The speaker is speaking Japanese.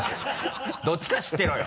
どっちか知ってろよ！